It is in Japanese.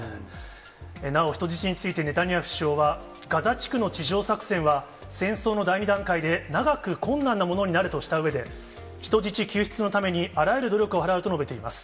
なお、人質についてネタニヤフ首相は、ガザ地区の地上作戦は戦争の第２段階で、長く困難なものになるとしたうえで、人質救出のためにあらゆる努力を払うと述べています。